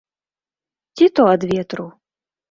Ці то ад ветру.